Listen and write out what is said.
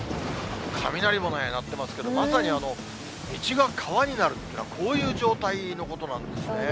雷も鳴ってますけど、まさに道が川になるっていうのはこういう状態のことなんですね。